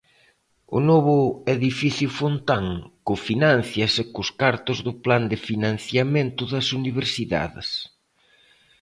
O novo edificio Fontán cofinánciase con cartos do Plan de financiamento das universidades.